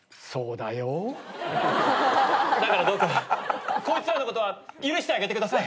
だからどうかこいつらのことは許してあげてください。